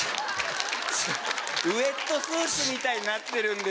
ウェットスーツみたいになってるんですけども。